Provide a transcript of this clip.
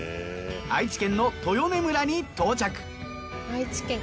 愛知県の豊根村に到着。